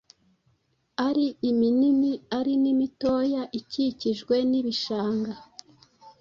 ari iminini ari n’imitoya ikikijwe n’ibishanga.